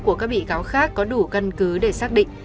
của các bị cáo khác có đủ căn cứ để xác định